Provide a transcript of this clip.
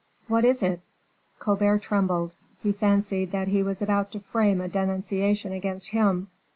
"What is it?" Colbert trembled; he fancied that he was about to frame a denunciation against him.